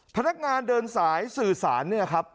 พนักงานเดินสายสื่อสาร